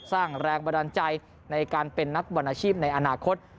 สร้างแรงบันดาลใจในการเป็นนักบอลอาชีพในอนาคต